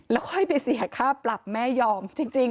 แล้วค่อยไปเสียค่าปรับแม่ยอมจริง